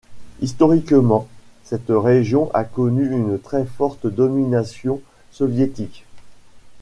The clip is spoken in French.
Historiquement, cette région a connu une très forte domination soviétique.